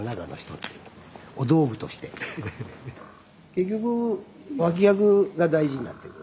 結局脇役が大事になってくる。